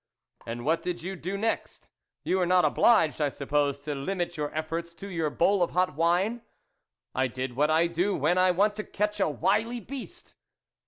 " And what did you do next ? You were not obliged, I suppose, to limit your efforts to your bowl of hot wine ?"" I did what I do when I want to catch a wily beast."